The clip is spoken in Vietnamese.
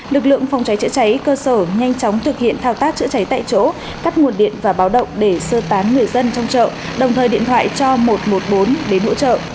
lực lượng phòng cháy chữa cháy cơ sở nhanh chóng thực hiện thao tác chữa cháy tại chỗ cắt nguồn điện và báo động để sơ tán người dân trong chợ đồng thời điện thoại cho một trăm một mươi bốn đến hỗ trợ